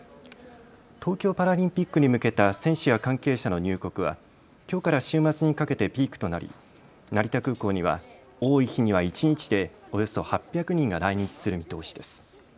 東京パラリンピックに向けた選手や関係者の入国はきょうから週末にかけてピークとなり成田空港には多い日には一日でおよそ８００人が来日する見通しです。